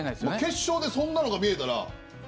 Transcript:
決勝でそんなのが見れたら。